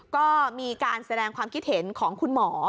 ก็มีการแสดงความคิดเห็นของคุณหมอ